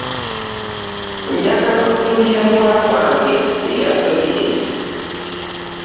Njagala otunuulire muwala wange eyasobye.